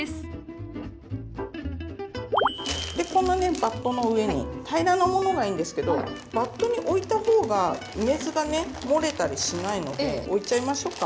バットの上に平らなものがいいんですけどバットにおいたほうが梅酢がね漏れたりしないのでおいちゃいましょうか。